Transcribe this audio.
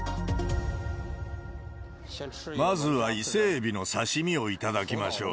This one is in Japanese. まずはイセエビの刺身を頂きましょう。